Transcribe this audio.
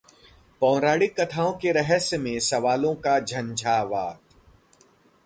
पौराणिक कथाओं के रहस्य में सवालों का झंझावात